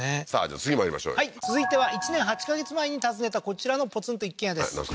次まいりましょうよはい続いては１年８ヵ月前に訪ねたこちらのポツンと一軒家ですなんですか？